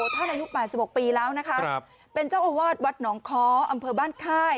อายุ๘๖ปีแล้วนะคะเป็นเจ้าอาวาสวัดหนองค้ออำเภอบ้านค่าย